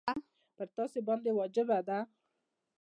پر تاسي باندي واجبه ده.